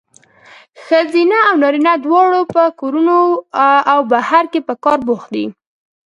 ښځینه او نارینه دواړه په کورونو او بهر کې په کار بوخت دي.